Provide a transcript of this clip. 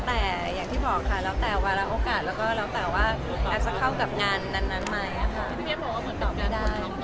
แม่งบอกว่าเหมือนตอบแบบคนชมตัวเอง